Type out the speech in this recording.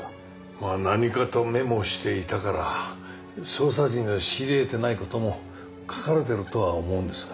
まあ何かとメモしていたから捜査陣の知り得てないことも書かれてるとは思うんですが。